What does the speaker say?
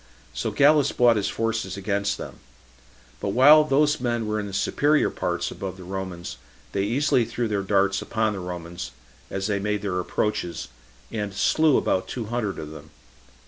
So Gallus brought his forces against them; but while those men were in the superior parts above the Romans, they easily threw their darts upon the Romans, as they made their approaches, and slew about two hundred of them.